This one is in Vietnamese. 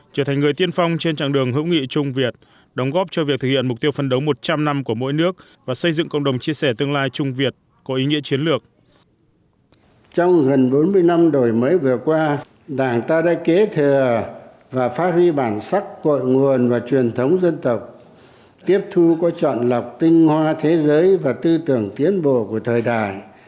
cội nguồn và truyền thống dân tộc tiếp thu có chọn lọc tinh hoa thế giới và tư tưởng tiến bộ của thời đại